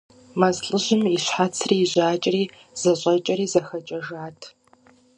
Мэз лӏыжьым и щхьэцри и жьакӏэри зэщӏэкӏэри зыхэкӏэжат.